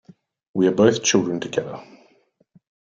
We are both children together.